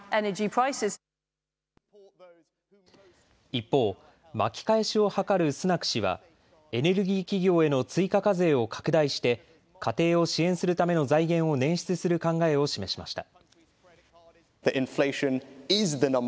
一方、巻き返しを図るスナク氏はエネルギー企業への追加課税を拡大して家庭を支援するための財源を捻出する考えを示しました。